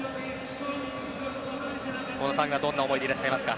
小野さんはどんな思いでいらっしゃいますか。